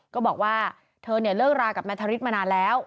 ก็บอกว่าเธอเลิกรากับแม่ธริตมานานแล้ว